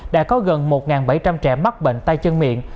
đã có gần một bảy trăm linh trẻ mắc bệnh tay chân miệng